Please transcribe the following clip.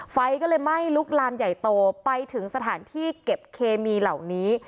ไฟก็เลยไหม้ลุกลามใหญ่โตไปถึงสถานที่เก็บเคมีเหล่านี้